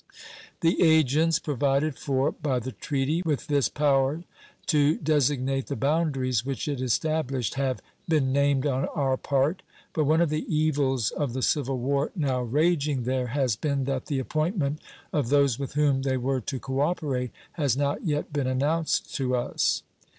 The agents provided for by the treaty, with this power to designate the boundaries which it established, have been named on our part, but one of the evils of the civil war now raging there has been that the appointment of those with whom they were to cooperate has not yet been announced to us.